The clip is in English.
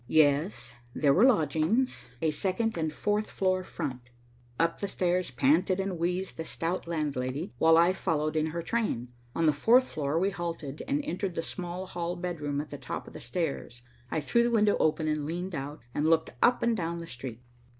"Yes, there were lodgings. A second and fourth floor front." Up the stairs panted and wheezed the stout landlady, while I followed in her train. On the fourth floor we halted and entered the small hall bedroom at the top of the stairs. I threw the window open and leaned out, and looked up and down the street.